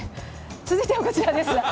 続いてはこちらです。